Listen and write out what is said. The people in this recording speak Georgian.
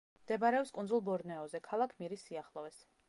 მდებარეობს კუნძულ ბორნეოზე, ქალაქ მირის სიახლოვეს.